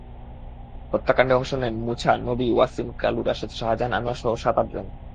হত্যাকাণ্ডে অংশ নেন মুছা, নবী, ওয়াসিম, কালু, রাশেদ, শাহজাহান, আনোয়ারসহ সাত-আটজন।